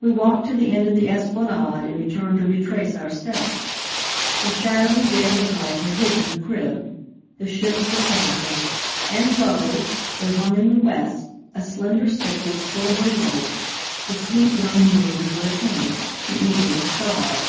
We walked to the end of the esplanade and turned to retrace our steps. The shadowy veil of night had hidden the Crib, the ships were phantoms, and lo! there hung in the west a slender sickle of silvery light–the sweet young moon with her attendant, the evening star.